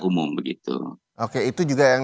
umum begitu oke itu juga yang